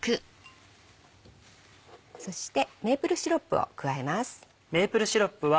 そしてメープルシロップを加えます。